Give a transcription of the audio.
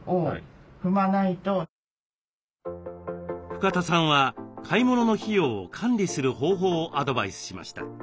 深田さんは買い物の費用を管理する方法をアドバイスしました。